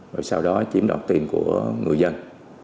rồi sau đó chiếm đoạt tiền của người dân